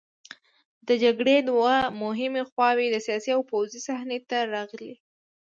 د جګړې دوه مهمې خواوې د سیاسي او پوځي صحنې ته راغلې.